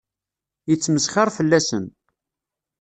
Yettmesxiṛ fell-asen.